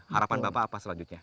harapan bapak apa selanjutnya